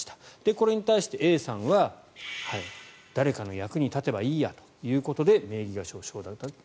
これに対して、Ａさんは誰かの役に立てばいいやということで名義貸しを承諾。